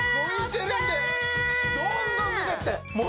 どんどん出ていって。